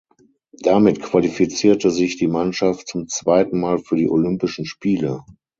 Damit qualifizierte sich die Mannschaft zum zweiten Mal für die Olympischen Spiele.